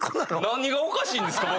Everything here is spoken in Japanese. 何がおかしいんですか